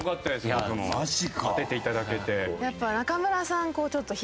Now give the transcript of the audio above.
僕も当てていただけて。